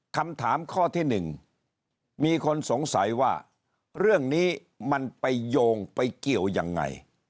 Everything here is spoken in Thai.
คำถามข้อที่๑มีคนสงสัยว่าเรื่องนี้มันไปโยงไปเกี่ยวยังไง